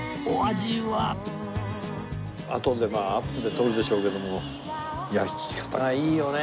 あとでアップで撮るでしょうけども焼き方がいいよね。